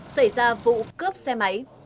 xảy ra vụ cướp xe máy